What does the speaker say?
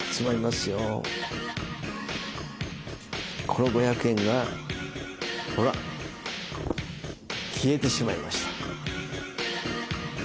この五百円がほら消えてしまいました。